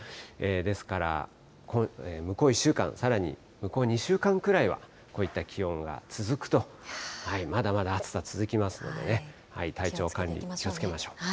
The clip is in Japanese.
ですから、向こう１週間、さらに向こう２週間くらいはこういった気温が続くと、まだまだ暑さ続きますのでね、体調管理、気をつけましょう。